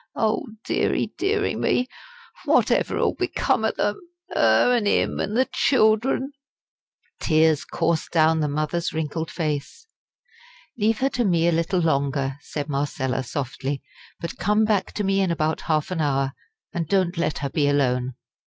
Oh, deary, deary, me! whatever 'ull become o' them 'er, an' 'im, an' the children!" The tears coursed down the mother's wrinkled face. "Leave her to me a little longer," said Marcella, softly; "but come back to me in about half an hour, and don't let her be alone."